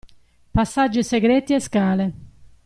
Passaggi segreti e scale.